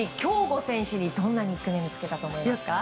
亨梧選手にどんなニックネームをつけたと思いますか？